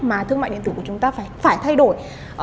mà thương mại điện tử của chúng ta phải thay đổi